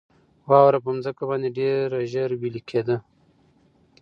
واوره په مځکه باندې ډېره ژر ویلي کېده.